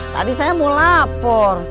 tadi saya mau lapor